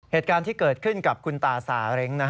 เหตุการณ์ที่เกิดขึ้นกับคุณตาสาเร็ง